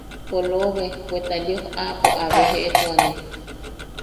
Polobe, bweta Lios aapo a bejeʼetuane.